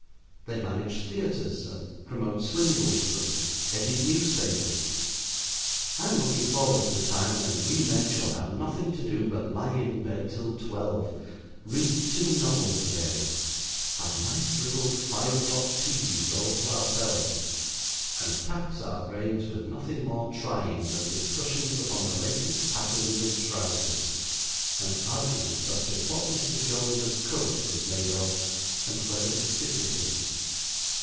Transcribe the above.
They manage theaters, and promote swindles, and edit newspapers. I am looking forward to the time when we men shall have nothing to do but lie in bed till twelve, read two novels a day, have nice little five o'clock teas all to ourselves, and tax our brains with nothing more trying than discussions upon the latest patterns in trousers and arguments as to what Mr. Jones' coat was made of and whether it fitted him.